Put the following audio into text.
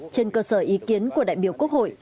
trên cơ sở ý kiến của đại biểu quốc hội